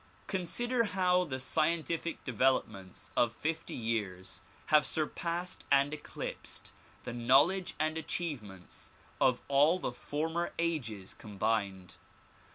Consider how the scien tific developments of fifty years have surpassed and eclipsed the knowledge and achievements of all the former ages combined.